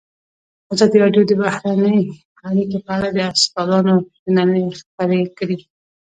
ازادي راډیو د بهرنۍ اړیکې په اړه د استادانو شننې خپرې کړي.